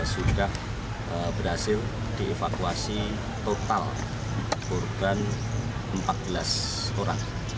sudah berhasil dievakuasi total korban empat belas orang